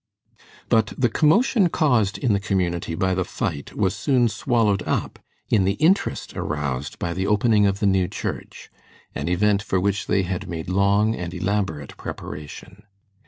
But the commotion caused in the community by the fight was soon swallowed up in the interest aroused by the opening of the new church, an event for which they had made long and elaborate preparation.